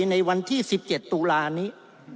ในวันที่๑๗ตุลานี้